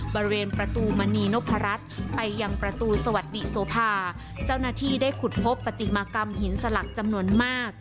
บริเวณประตูมณีนพรัชไปยังประตูสวัสดีโสภาเจ้าหน้าที่ได้ขุดพบปฏิมากรรมหินสลักจำนวนมาก